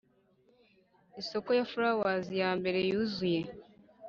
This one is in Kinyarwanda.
isoko ya flavours yambere yuzuye.